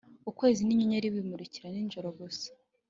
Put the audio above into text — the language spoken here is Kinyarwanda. ukwezi ninyenyeri bimurika nijoro gusa